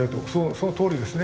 そのとおりですね。